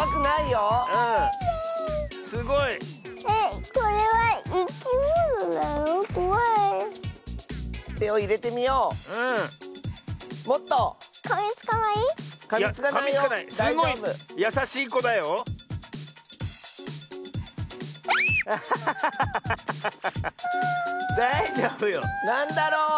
なんだろう？